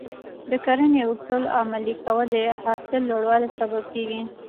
د کرنې اصول عملي کول د حاصل لوړوالي سبب کېږي.